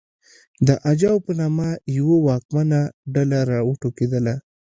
د اجاو په نامه یوه واکمنه ډله راوټوکېده